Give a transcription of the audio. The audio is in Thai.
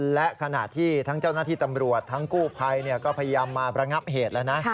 และขณะที่ทั้งเจ้าหน้าที่ตำรวจทั้งกู้ภัยก็พยายามมาประงับเหตุแล้วนะ